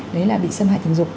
đấy là bị xâm hại tình dục